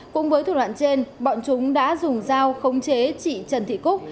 cùng với thuộc đoạn trên bọn chúng đã dùng dao khống chế chị trần thị cúc